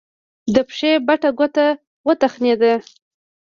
د پښې بټه ګوته وتخنېده.